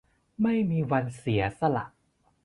ไม่มีวันเสียละ